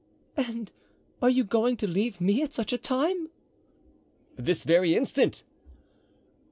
"And are you going to leave me at such a time?" "This very instant."